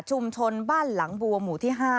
บ้านหลังบัวหมู่ที่๕